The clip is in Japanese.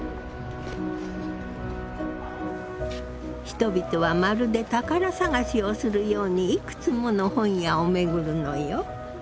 人々はまるで宝探しをするようにいくつもの本屋をめぐるのよ。